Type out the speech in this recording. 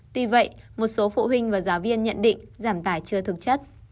tuy vậy một số phụ huynh và giáo viên nhận định giảm tải chưa thực chất